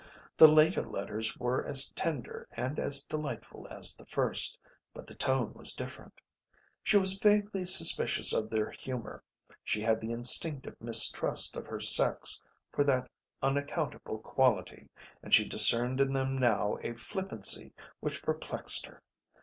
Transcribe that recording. The later letters were as tender and as delightful as the first, but the tone was different. She was vaguely suspicious of their humour, she had the instinctive mistrust of her sex for that unaccountable quality, and she discerned in them now a flippancy which perplexed her.